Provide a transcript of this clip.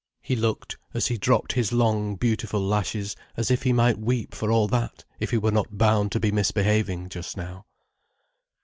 He looked, as he dropped his long, beautiful lashes, as if he might weep for all that, if he were not bound to be misbehaving just now.